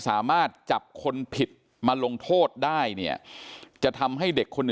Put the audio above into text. สามารถจับคนผิดมาลงโทษได้เนี่ยจะทำให้เด็กคน